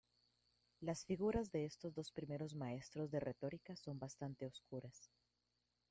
Las figuras de estos dos primeros maestros de retórica son bastante oscuras.